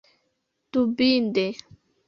Dubinde.